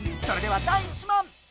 それでは第１問！